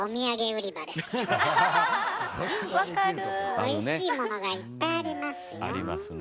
おいしいものがいっぱいありますよ。